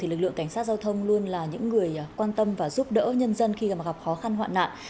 lực lượng cảnh sát giao thông luôn là những người quan tâm và giúp đỡ nhân dân khi gặp khó khăn hoạn nạn